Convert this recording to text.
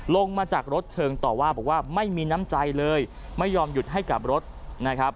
ลงมาจากรถเชิงต่อว่าบอกว่าไม่มีน้ำใจเลยไม่ยอมหยุดให้กลับรถนะครับ